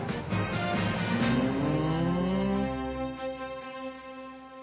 ふん。